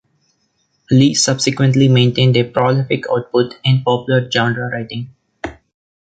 Lee subsequently maintained a prolific output in popular genre writing.